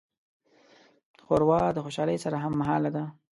ښوروا د خوشالۍ سره هممهاله ده.